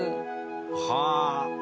はあ。